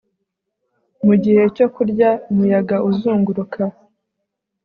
mugihe cyo kurya umuyaga uzunguruka